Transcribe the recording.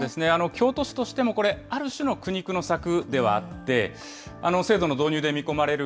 京都市としても、これ、ある種の苦肉の策ではあって、制度の導入で見込まれる